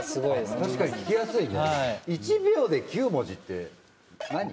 確かに聞きやすいね。